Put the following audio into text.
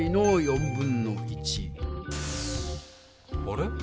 あれ？